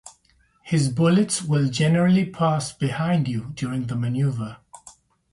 His bullets will generally pass behind you during the maneuver.